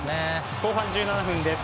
後半１７分です。